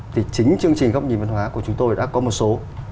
thì chính chương trình góc nhìn văn hóa của chúng tôi đã có một số